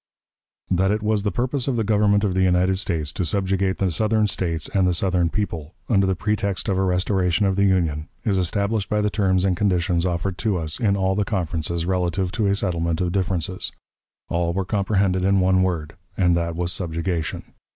That it was the purpose of the Government of the United States to subjugate the Southern States and the Southern people, under the pretext of a restoration of the Union, is established by the terms and conditions offered to us in all the conferences relative to a settlement of differences. All were comprehended in one word, and that was subjugation.